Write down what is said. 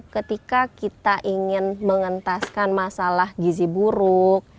ketika kita ingin mengentaskan masalah gizi buruk